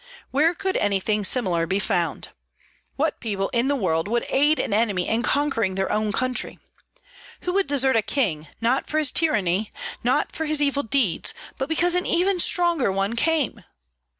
Where could anything similar be found? What people in the world would aid an enemy in conquering their own country? Who would desert a king, not for his tyranny, not for his evil deeds, but because a stronger one came?